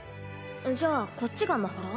じゃあこっちがまほろ？